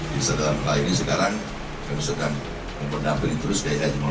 di sedang hari ini sekarang kami sedang memperdampingi terus daya daya